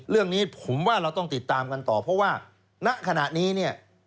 เรื่องนี้ผมว่าเราต้องติดตามกันต่อเพราะว่าณขณะนี้เนี่ย